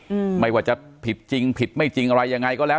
อืมไม่ว่าจะผิดจริงผิดไม่จริงอะไรยังไงก็แล้ว